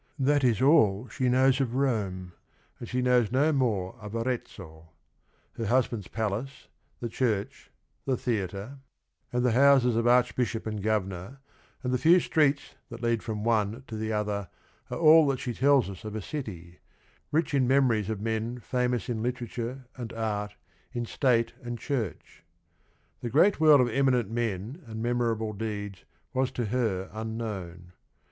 That is all she knows of Rome; and she knows no more of Arezzo. Her hus band's palace, the church, the theatre, and the POMPILIA 121 houses of Archbishop and Governor, and the few streets that lead from one to the other are all she tells us of a city — rich in memories of men famous in literature and art, in state and church. The great world of eminent men and memorable deeds was to her unknown.